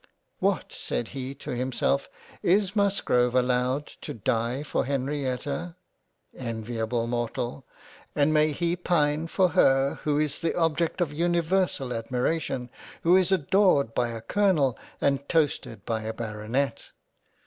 " What said he to himself is Musgrove allowed to die for Henrietta ? Enviable Mortal ! and may he pine for her who is the object of universal admiration, who is adored by a Colonel, and toasted by a Baronet